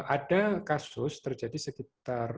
ada kasus terjadi sekitar